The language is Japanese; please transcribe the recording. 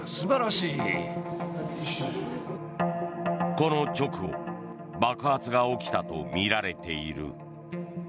この直後爆発が起きたとみられている。